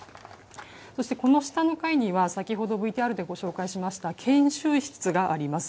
そしてこの下の階には先ほど、ＶＴＲでご紹介しました研修室があります。